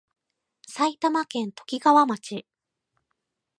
埼玉県ときがわ町